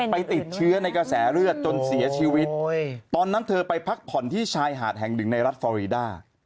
ไปติดเชื้อในกระแสเลือดจนเสียชีวิตตอนนั้นเธอไปพักผ่อนที่ชายหาดแห่งหนึ่งในรัฐฟอรีด้า